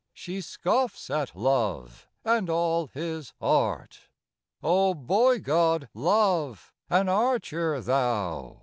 She scoffs at Love and all his art ! Oh, boy god, Love ! An archer thou